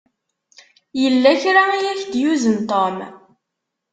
Yella kra i ak-d-yuzen Tom.